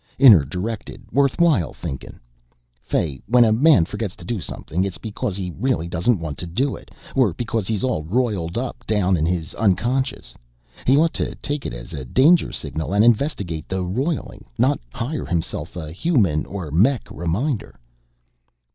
"Inner directed worthwhile thinkin'. Fay, when a man forgets to do something, it's because he really doesn't want to do it or because he's all roiled up down in his unconscious. He ought to take it as a danger signal and investigate the roiling, not hire himself a human or mech reminder."